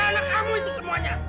gara gara anak kamu itu semuanya